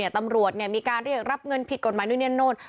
ตำรวจมีการเรียกรับเงินผิดกฎหมายนู่นนี่นู่น